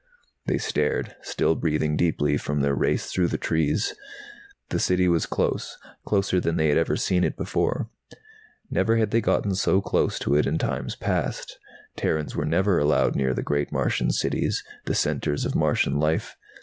They stared, still breathing deeply from their race through the trees. The City was close, closer than they had ever seen it before. Never had they gotten so close to it in times past. Terrans were never allowed near the great Martian cities, the centers of Martian life.